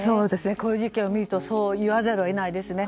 こういう事件を見るとそう言わざるを得ないですね。